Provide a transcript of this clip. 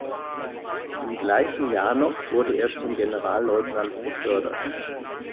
Im gleichen Jahr noch wurde er zum Generalleutnant befördert.